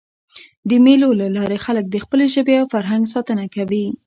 د مېلو له لاري خلک د خپلي ژبي او فرهنګ ساتنه کوي.